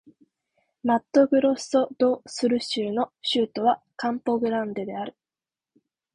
マットグロッソ・ド・スル州の州都はカンポ・グランデである